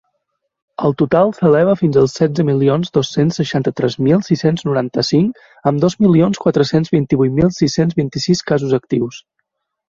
El total s’eleva fins al setze milions dos-cents seixanta-tres mil sis-cents noranta-cinc, amb dos milions quatre-cents vint-i-vuit mil sis-cents vint-i-sis casos actius.